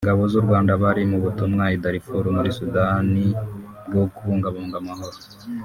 Ingabo z’u Rwanda bari mu butumwa i Darfur muri Sudani bwo kubungabunga amahoro